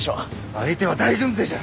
相手は大軍勢じゃ。